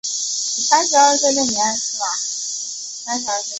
爱丁堡剧场现在属于大使剧院集团。